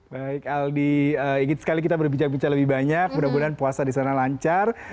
baik aldi ingin sekali kita berbincang bincang lebih banyak mudah mudahan puasa di sana lancar